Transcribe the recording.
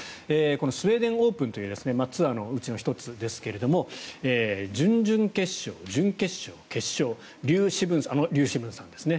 スウェーデン・オープンというツアーのうちの１つですが準々決勝、準決勝、決勝あのリュウ・シブンさんですね。